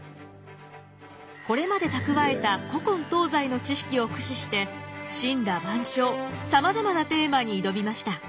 これまで蓄えた古今東西の知識を駆使して森羅万象さまざまなテーマに挑みました。